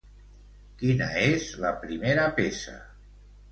Quina és la primera peça?